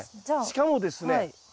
しかもですね